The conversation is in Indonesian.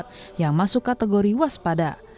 kota semarang adalah kategori waspada